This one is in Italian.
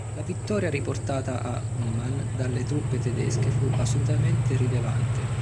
La vittoria riportata a Uman dalle truppe tedesche fu assolutamente rilevante.